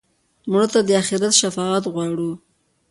مړه ته د آخرت شفاعت غواړو